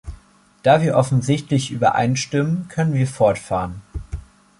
Da wir offensichtlich übereinstimmen, können wir fortfahren.